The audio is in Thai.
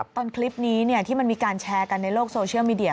ตอนคลิปนี้ที่มันมีการแชร์กันในโลกโซเชียลมีเดีย